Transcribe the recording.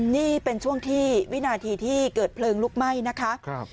นี่เป็นช่วงที่วินาทีที่เกิดเพลิงลุกไหม้นะคะ